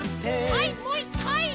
はいもう１かい！